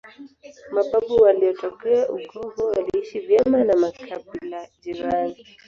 Mababu waliotokea Ugogo waliishi vyema na makibila jirani